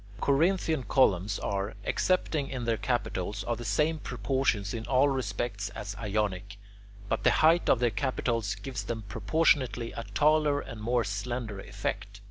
Corinthian columns are, excepting in their capitals, of the same proportions in all respects as Ionic; but the height of their capitals gives them proportionately a taller and more slender effect.